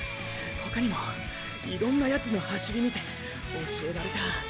ほかにもいろんなヤツの走り見て教えられた。